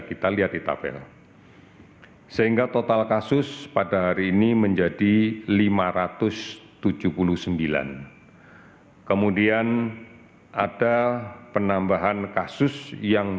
kita lihat di tabel sehingga total kasus pada hari ini menjadi lima ratus tujuh puluh sembilan kemudian ada penambahan kasus yang